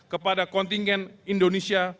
kepada kontingen indonesia